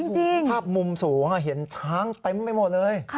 ภาพมุมสูงเห็นช้างเต็มไปหมดเลย